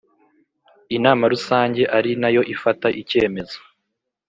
Inama rusange ari nayo ifata icyemezo